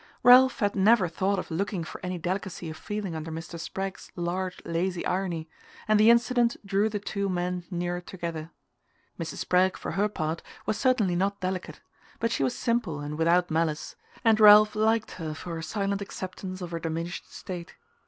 Ralph had never thought of looking for any delicacy of feeling under Mr. Spragg's large lazy irony, and the incident drew the two men nearer together. Mrs. Spragg, for her part, was certainly not delicate; but she was simple and without malice, and Ralph liked her for her silent acceptance of her diminished state.